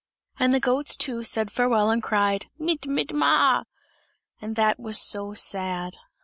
And the goats, too, said farewell and cried: "Mit, mit, mah!" and that was so sad.